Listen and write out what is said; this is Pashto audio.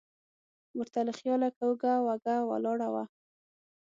ور ته له خیاله کوږه وږه ولاړه وه.